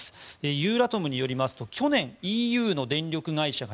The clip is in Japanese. ＥＵＲＡＴＯＭによりますと去年、ＥＵの電力会社が